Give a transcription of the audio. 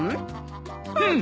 うん？